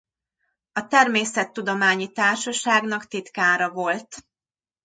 A Természettudományi Társaságnak titkára volt.